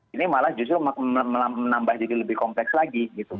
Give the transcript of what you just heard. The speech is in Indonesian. ini malah justru menambah jadi lebih kompleks lagi